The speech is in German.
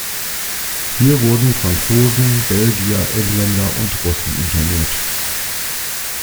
Hier wurden Franzosen, Belgier, Engländer und Russen interniert.